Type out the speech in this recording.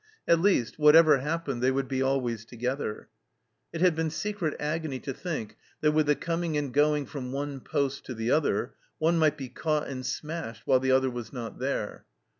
At least, whatever happened, they would be always together. It had been secret agony to think that, with the coming and going from one poste to the other, one might be caught and smashed while the other was not there.